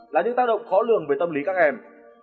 là những tác động khó lường về tâm lý các em